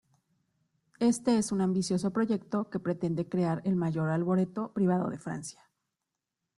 Este es un ambicioso proyecto que pretende crear el mayor Arboreto privado de Francia.